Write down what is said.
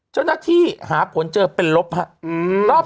เจ้าหน้าที่หาผลเจอเป็นลบครับ